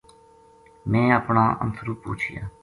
میں اپنا انتھرو پوچھیا